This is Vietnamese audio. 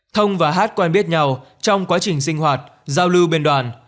thông và hát quen biết nhau trong quá trình sinh hoạt giao lưu bên đoàn